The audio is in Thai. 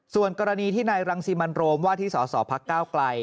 ส่วนกรณีที่นายรังซีมันโรมว่าที่สศพก